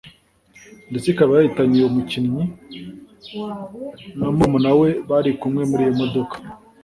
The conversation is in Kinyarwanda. ndetse ikaba yahitanye uyu mukinnyi na murumuna we bari kumwe muri iyo modoka